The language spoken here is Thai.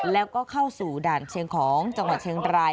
แล้วก็เข้าสู่ด่านเชียงของจังหวัดเชียงราย